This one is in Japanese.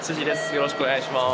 よろしくお願いします。